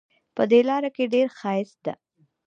په دې لاره کې ډېر ښایست ده